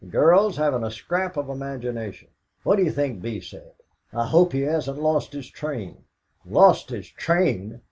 "The girls haven't a scrap of imagination. What do you think Bee said? '. hope he hasn't lost his train.' Lost his train!